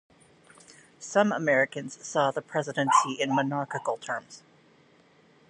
Some Americans saw the presidency in monarchical terms.